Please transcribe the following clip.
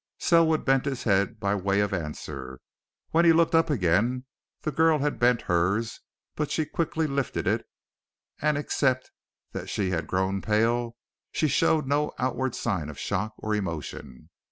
Selwood bent his head by way of answer; when he looked up again the girl had bent hers, but she quickly lifted it, and except that she had grown pale, she showed no outward sign of shock or emotion.